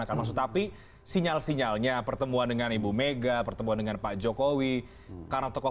akan masuk tapi sinyal sinyalnya pertemuan dengan ibu mega pertemuan dengan pak jokowi karena tokoh